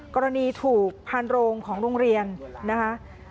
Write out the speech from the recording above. กรณีถูกพันโรงของโรงเรียนนะคะ